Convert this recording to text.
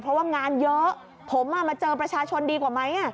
เพราะว่างานเยอะผมมาเจอประชาชนดีกว่าไหม